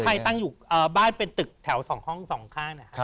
ใช่ตั้งอยู่บ้านเป็นตึกแถว๒ห้อง๒ข้าง